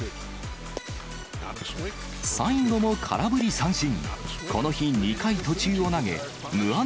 最後も空振り三振。